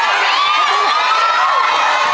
ครอบครับ